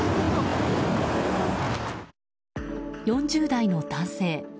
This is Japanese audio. ４０代の男性。